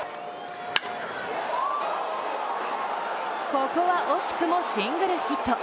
ここは惜しくもシングルヒット。